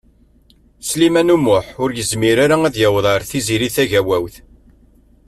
Sliman U Muḥ ur yezmir ara ad yaweḍ ar Tiziri Tagawawt.